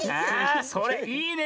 それいいね！